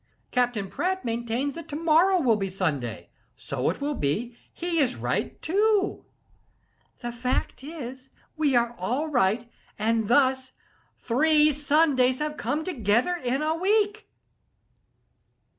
Captain Pratt maintains that to morrow will be Sunday: so it will; he is right, too. The fact is, we are all right, and thus three Sundays have come together in a week."